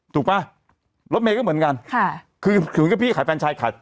ถูกป่ะรถเมล์ก็เหมือนกันค่ะคือคือมันก็พี่ขายแฟนชายขาย